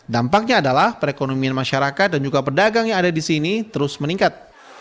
dampaknya adalah perekonomian masyarakat dan juga pedagang yang ada di sini terus meningkat